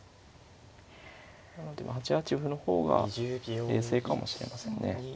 なので８八歩の方が冷静かもしれませんね。